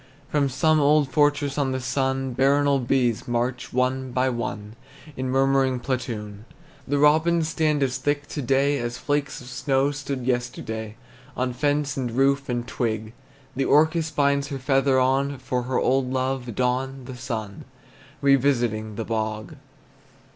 From some old fortress on the sun Baronial bees march, one by one, In murmuring platoon! The robins stand as thick to day As flakes of snow stood yesterday, On fence and roof and twig. The orchis binds her feather on For her old lover, Don the Sun, Revisiting the bog!